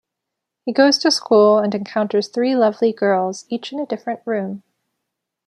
He goes to school and encounters three lovely girls, each in a different room.